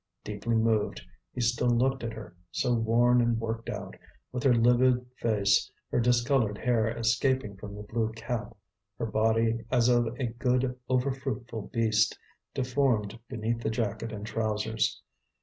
Deeply moved, he still looked at her, so worn and worked out, with her livid face, her discoloured hair escaping from the blue cap, her body as of a good over fruitful beast, deformed beneath the jacket and trousers.